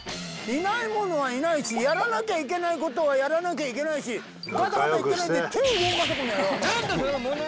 いないものはいなしやらなきゃいけないことはやらなきゃいけないしガタガタ言ってないで手を動かせこの野郎！